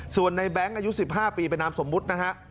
ส่วนในแบงค์อายุ๑๕ปีเป็นนามสมมุตินะฮะ